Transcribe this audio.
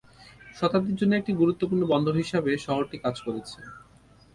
শতাব্দীর জন্য একটি গুরুত্বপূর্ণ বন্দর হিসেবে শহরটি কাজ করেছে।